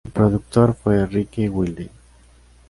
El productor fue Ricki Wilde.